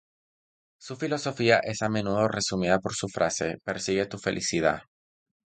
Su filosofía es a menudo resumida por su frase: "Persigue tu felicidad".